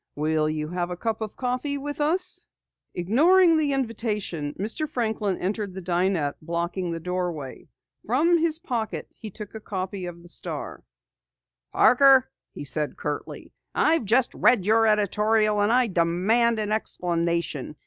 "Will you have a cup of coffee with us?" Ignoring the invitation, Mr. Franklin entered the dinette, blocking the doorway. From his pocket he took a copy of the morning Star. "Parker," he said curtly, "I've just read your editorial and I demand an explanation!